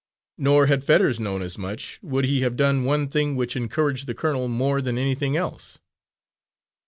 Nor had Fetters known as much, would he have done the one thing which encouraged the colonel more than anything else.